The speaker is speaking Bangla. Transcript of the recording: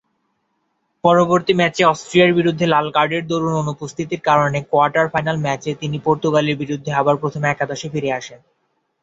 পরবর্তী ম্যাচে অস্ট্রিয়ার বিরুদ্ধে লাল কার্ডের দরুন অনুপস্থিতির কারণে কোয়ার্টার-ফাইনাল ম্যাচে তিনি পর্তুগালের বিরুদ্ধে আবার প্রথম একাদশে ফিরে আসেন।